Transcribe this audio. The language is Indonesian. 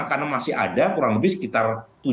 karena masih ada kurang lebih sekitar